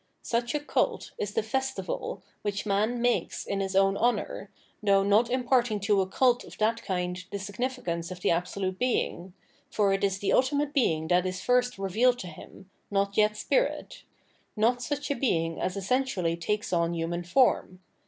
Such a cult is the Festival which man makes in his own honour, though not im parting to a cult of that kind the significance of the Absolute Being ; for it is the ultimate Being that is first revealed to him, not yet Spirit — ^not such a Being as essentially takes on human form.